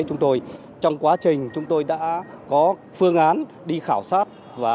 chúng tôi trong quá trình chúng tôi đã có phương án đi khảo sát và